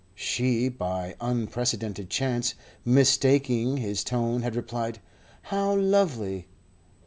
She, by unprecedented chance, mistaking his tone, had replied: "How lovely!"